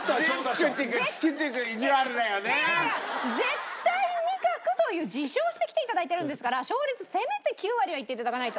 絶対味覚という自称して来て頂いてるんですから勝率せめて９割はいって頂かないと。